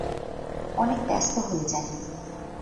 অনেক ব্যস্ত হয়ে যায়।